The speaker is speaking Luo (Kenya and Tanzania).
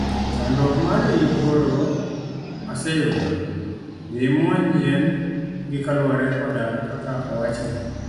Chandruok mari koro aseyudo, dhi imuony yien gi kaluwore koda kaka owachni.